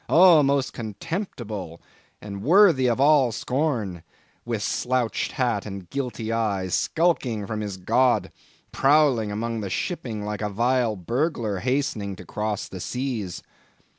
Oh! most contemptible and worthy of all scorn; with slouched hat and guilty eye, skulking from his God; prowling among the shipping like a vile burglar hastening to cross the seas.